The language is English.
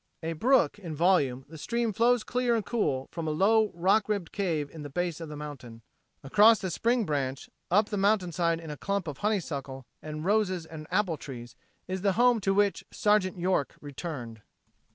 A brook in volume the stream flows clear and cool from a low rock ribbed cave in the base of the mountain. Across the spring branch, up the mountainside in a clump of honey suckle and roses and apple trees is the home to which Sergeant York returned.